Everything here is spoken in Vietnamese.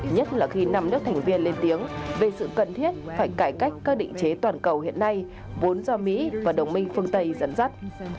nhất là khi năm nước thành viên lên tiếng về sự cần thiết phải cải cách các định chế toàn cầu hiện nay vốn do mỹ và đồng minh phương tây dẫn dắt